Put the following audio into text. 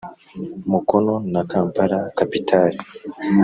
Mukono na Kampala kapitali